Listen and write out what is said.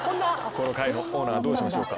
この回のオーナーどうしましょうか？